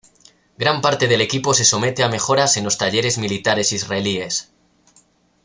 Gran parte del equipo se somete a mejoras en los talleres militares israelíes.